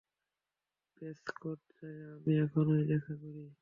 Prescott চায় আমি এখনই দেখা করি।